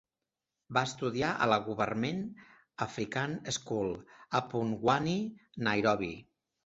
Va estudiar a la Government African School, a Pumwani, Nairobi.